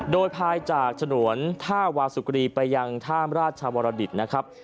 โดยภายจากฉนวนท่าวาสุกรีไปยังท่ามราชวรดิตนะครับ